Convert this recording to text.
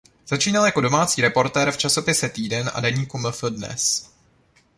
Začínal jako domácí reportér v časopise Týden a deníku Mf Dnes.